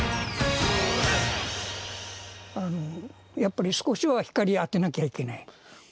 あのやっぱり少しは光当てなきゃいけない。